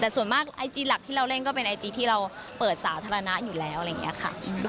แต่ส่วนมากไอจีหลักที่เราเล่นก็เป็นไอจีที่เราเปิดสาธารณะอยู่แล้วอะไรอย่างนี้ค่ะ